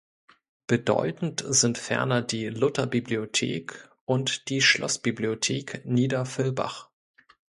Bedeutend sind ferner die Luther-Bibliothek und die Schlossbibliothek Niederfüllbach.